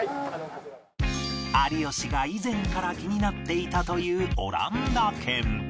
有吉が以前から気になっていたというオランダ軒